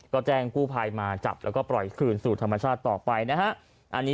ก็แจ้งคู่ภายมาจะจับและปล่อยขืนสู่ธรรมชาติต่อไปนะครับ